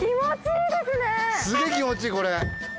すげえ気持ちいいこれ。